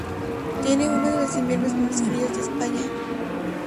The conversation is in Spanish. Tiene uno de los inviernos más fríos de España.